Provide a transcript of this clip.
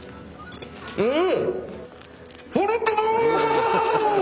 うん！